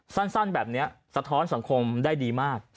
สั้นแบบนี้สะท้อนสังคมได้ดีมาก